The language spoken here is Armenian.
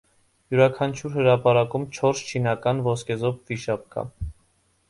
Յուրաքանչյուր հրապարակում չորս «չինական» ոսկեզօծ վիշապ կա։